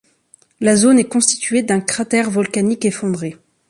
La zone est constituée d'un cratère volcanique effondré.